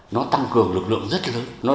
nó tăng cường lực lượng rất lớn